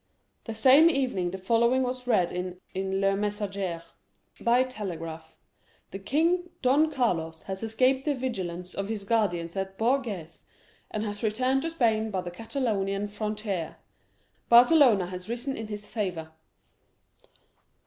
The same evening the following was read in Le Messager: "[By telegraph.] The king, Don Carlos, has escaped the vigilance of his guardians at Bourges, and has returned to Spain by the Catalonian frontier. Barcelona has risen in his favor."